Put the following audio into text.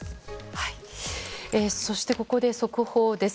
そして、ここで速報です。